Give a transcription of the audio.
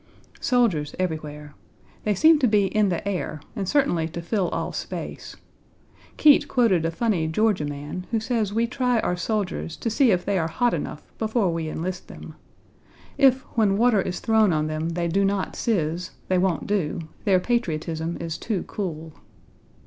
Soldiers everywhere. They seem to be in the air, and certainly to fill all space. Keitt quoted a funny Georgia man who says we try our soldiers to see if they are hot Page 69 enough before we enlist them. If , when water is thrown on them they do not sizz, they won't do; their patriotism is too cool.